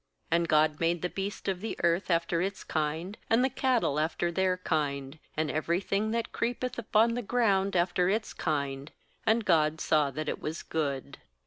25And God made the beast of the earth after its kind, and the cattle after their kind, and every thing that creepeth upon the ground after its kind; and God saw that it was good.